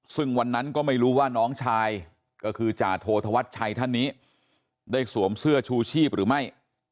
ซึ่งวันนั้นก็ไม่รู้ว่าน้องชายก็คือจาโทธวัชชัยท่านนี้ได้สวมเสื้อชูชีพหรือไม่